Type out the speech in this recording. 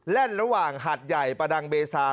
ระหว่างหัดใหญ่ประดังเบซา